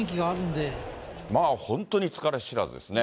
まあ、本当に疲れ知らずですね。